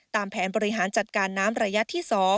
แผนบริหารจัดการน้ำระยะที่๒